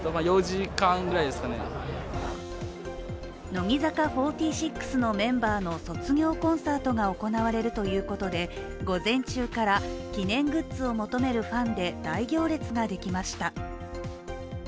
乃木坂４６のメンバーの卒業コンサートが行われるということで午前中から記念グッズを求めるファンで大行列ができました。